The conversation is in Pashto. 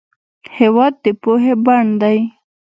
هېواد د پوهې بڼ دی.